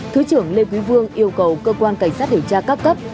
thứ trưởng lê quý vương yêu cầu cơ quan cảnh sát điều tra các cấp